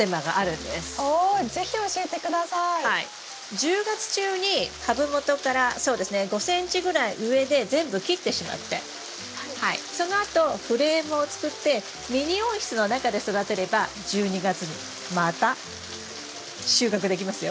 １０月中に株元からそうですね５ｃｍぐらい上で全部切ってしまってそのあとフレームを作ってミニ温室の中で育てれば１２月にまた収穫できますよ。